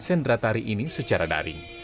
sendratari ini secara daring